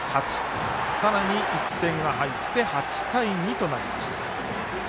さらに１点が入って８対２となりました。